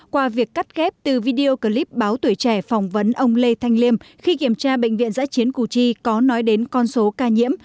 qua việc cắt ghép từ video clip báo tuổi trẻ phỏng vấn ông lê thanh liêm khi kiểm tra bệnh viện giãi chiến củ chi có nói đến con số ca nhiễm